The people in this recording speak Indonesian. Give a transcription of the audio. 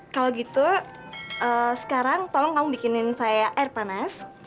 kalau gitu sekarang tolong kamu bikinin saya air panas